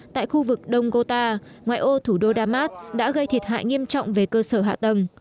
tại khu vực đông gota ngoại ô thủ đô đa mát đã gây thiệt hại nghiêm trọng về cơ sở hạ tầng